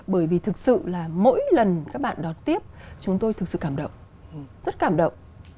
bởi vì thực sự là mỗi lần các bạn đón tiếp chúng tôi thực sự cảm động rất cảm động